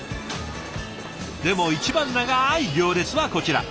でも一番長い行列はこちら。